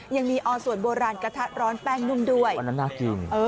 ยังมีออส่วนโบราณกระทะร้อนแป้งนุ่มด้วยอันนั้นน่ากิน